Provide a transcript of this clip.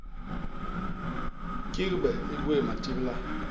Kigbe i gwéé matibla.